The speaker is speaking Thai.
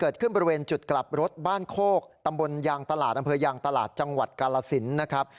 บริเวณจุดกลับรถบ้านโคกตำบลยางตลาดอำเภอยางตลาดจังหวัดกาลสินนะครับ